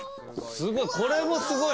すごい。